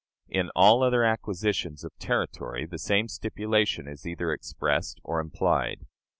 " In all other acquisitions of territory the same stipulation is either expressed or implied.